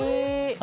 あ